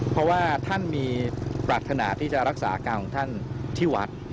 เพราะว่าท่านมีปรารถนาที่จะรักษาอาการของท่านที่วัด